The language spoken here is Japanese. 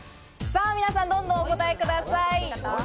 皆さんどんどんお答えください。